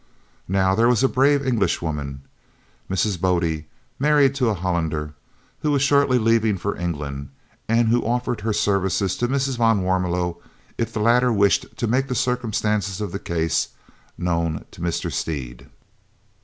Now, there was a brave Englishwoman, Mrs. Bodde, married to a Hollander, who was shortly leaving for England, who offered her services to Mrs. van Warmelo if the latter wished to make the circumstances of the case known to Mr. Stead.